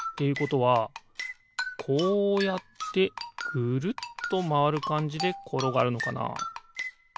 いうことはこうやってぐるっとまわるかんじでころがるのかな？